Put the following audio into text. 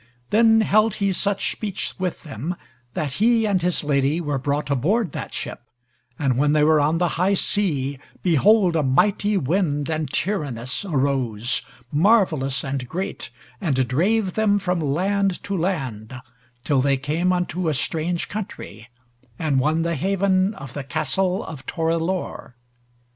Then held he such speech with them, that he and his lady were brought aboard that ship, and when they were on the high sea, behold a mighty wind and tyrannous arose, marvellous and great, and drave them from land to land, till they came unto a strange country, and won the haven of the castle of Torelore.